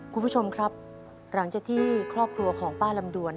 คุณผู้ชมครับหลังจากที่ครอบครัวของป้าลำดวน